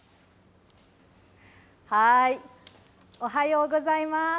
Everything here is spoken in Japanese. おはようございます。